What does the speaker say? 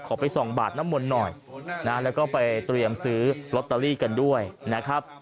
ไปส่องบาดน้ำมนต์หน่อยนะแล้วก็ไปเตรียมซื้อลอตเตอรี่กันด้วยนะครับ